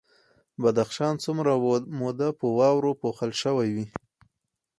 بدخشان څومره موده په واورو پوښل شوی وي؟